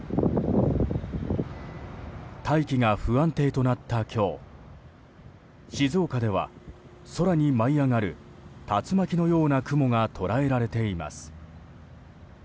大気が不安定となった今日静岡では空に舞い上がる竜巻のような雲が捉えられています。